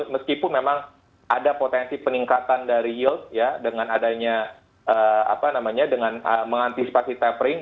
meskipun memang ada potensi peningkatan dari yield ya dengan adanya apa namanya dengan mengantisipasi tapering